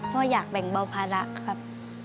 พ่ออยากแบ่งเบาภาระครับ